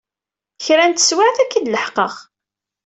Kra n teswiɛt ad k-id-leḥqeɣ.